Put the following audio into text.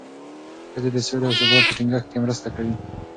ښځې د سولې او ثبات په ټینګښت کې مرسته کوي.